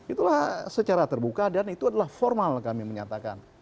itulah secara terbuka dan itu adalah formal kami menyatakan